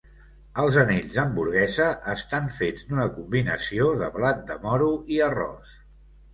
Els anells d'hamburguesa estan fets d'una combinació de blat de moro i arròs.